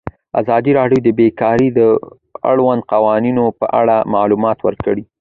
ازادي راډیو د بیکاري د اړونده قوانینو په اړه معلومات ورکړي.